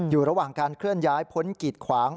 อยู่ระหว่างการเคลื่อนย้ายพ้นกีดขวาง